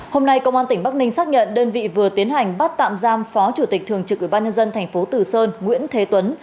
hôm nay công an tỉnh bắc ninh xác nhận đơn vị vừa tiến hành bắt tạm giam phó chủ tịch thường trực ubnd tp tử sơn nguyễn thế tuấn